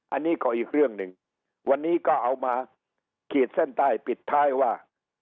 อันนี้ก็อีกเรื่องหนึ่งวันนี้ก็เอามาขีดเส้นใต้ปิดท้ายว่า